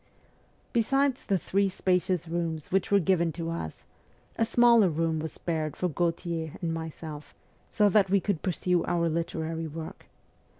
Besides the three spacious rooms which were given to us, a smaller room was spared for Gautier and myself, so that we could pursue our literary work.